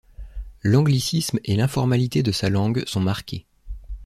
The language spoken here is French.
L'anglicisme et l'informalité de sa langue sont marqués.